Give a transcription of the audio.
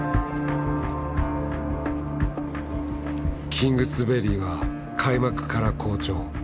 キングズベリーは開幕から好調。